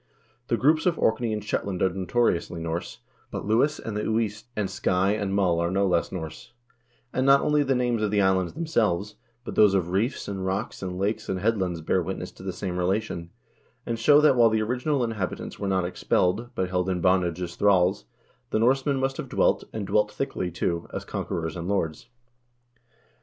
The groups of Orkney and Shetland are 1 Norse Influence on Celtic Scotland, p. 109 f. VOL. I — R 242 HISTORY OF THE NORWEGIAN PEOPLE notoriously Norse, but Lewis and the Uists, and Skye and Mull are no less Norse ; and not only the names of the islands themselves, but those of reefs and rocks and lakes and headlands bear witness to the same relation, and show that, while the original inhabitants were not expelled, but held in bondage as thralls, the Norsemen must have dwelt, and dwelt thickly, too, as conquerors and lords."